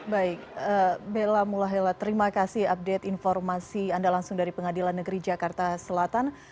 baik bella mulahela terima kasih update informasi anda langsung dari pengadilan negeri jakarta selatan